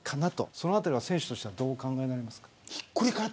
そのあたりは選手としてどうお考えになりますか。